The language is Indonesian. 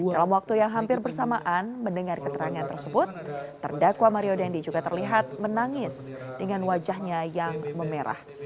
dalam waktu yang hampir bersamaan mendengar keterangan tersebut terdakwa mario dendi juga terlihat menangis dengan wajahnya yang memerah